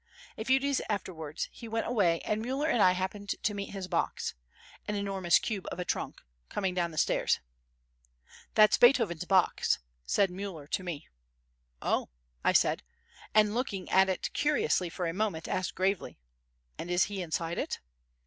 A few days afterwards he went away and Müller and I happened to meet his box—an enormous cube of a trunk—coming down the stairs. "That's Beethoven's box," said Müller to me. "Oh," I said, and, looking at it curiously for a moment, asked gravely, "And is he inside it?"